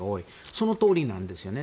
そのとおりなんですよね。